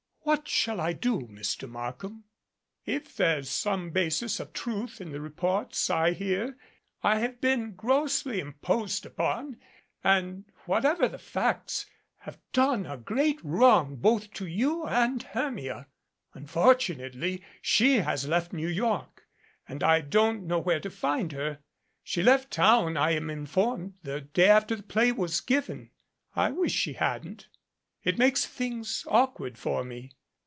"What shall I do, Mr. Markham? If there is some basis of truth in the reports I hear, I have been grossly imposed upon and, whatever the facts, have done a great wrong both to you and Hermia. Unfortunately, she has left New York, and I don't know where to find her. She left town, I am informed, the day after the play was given. I wish she hadn't. It makes things awkward for me.